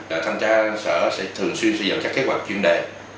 đoạn thanh tra sở sẽ thường xuyên sử dụng các kế hoạch chuyên đề